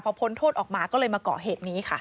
พอพ้นโทษออกมาก็เลยมาเกาะเหตุนี้ค่ะ